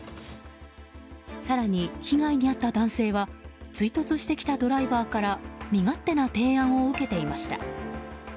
更に、被害に遭った男性は追突してきたドライバーから身勝手な提案を受けていました。